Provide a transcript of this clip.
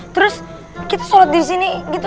terus kita sholat disini gitu